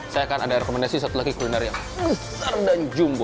saya akan ada rekomendasi satu lagi kuliner yang besar dan jumbo